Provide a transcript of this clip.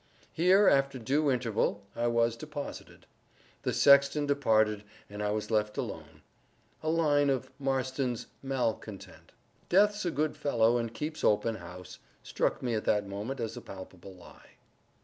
Here, after due interval, I was deposited. The sexton departed, and I was left alone. A line of Marston's "Malcontent"— Death's a good fellow and keeps open house— struck me at that moment as a palpable lie.